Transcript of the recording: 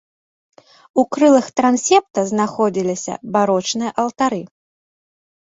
У крылах трансепта знаходзіліся барочныя алтары.